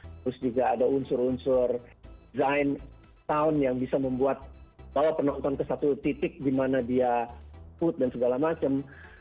terus juga ada unsur unsur design sound yang bisa membawa penonton ke satu titik di mana dia put dan segala macem